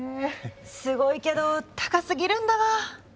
すごいけど高すぎるんだわ。